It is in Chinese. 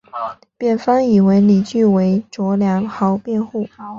辩方以为理据为卓良豪辩护。